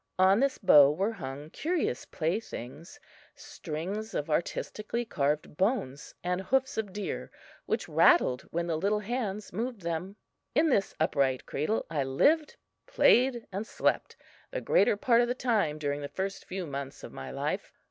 On this bow were hung curious playthings strings of artistically carved bones and hoofs of deer, which rattled when the little hands moved them. In this upright cradle I lived, played and slept the greater part of the time during the first few months of my life.